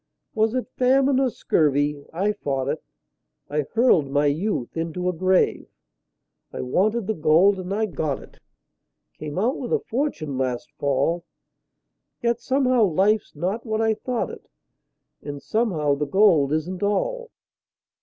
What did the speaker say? Was it famine or scurvy I fought it; I hurled my youth into a grave. I wanted the gold, and I got it Came out with a fortune last fall, Yet somehow life's not what I thought it, And somehow the gold isn't all.